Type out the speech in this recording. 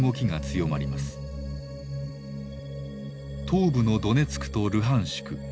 東部のドネツクとルハンシク。